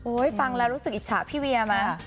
โอ้ยฟังแล้วรู้สึกอิจฉาพี่เวียมา